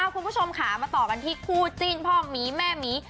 คุณผู้ชมค่ะมาต่อกันที่คู่จิ้นพ่อหมีแม่หมี